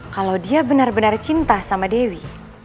kalau dia benar benar cinta sama dewi